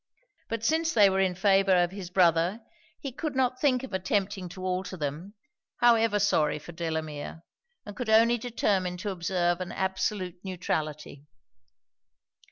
But since they were in favour of his brother, he could not think of attempting to alter them, however sorry for Delamere; and could only determine to observe an absolute neutrality.